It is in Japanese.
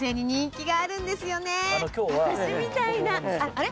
あれ？